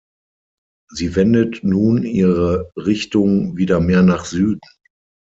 Sie wendet nun ihre Richtung wieder mehr nach Süden.